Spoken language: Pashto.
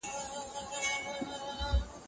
هغه څوک چې قلم لري لوی مسؤلیت لري.